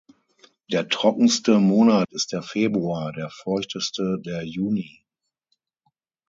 Der trockenste Monat ist der Februar, der feuchteste der Juni.